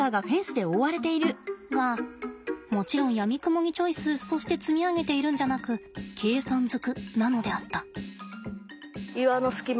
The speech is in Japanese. がもちろんやみくもにチョイスそして積み上げているんじゃなく計算ずくなのであった。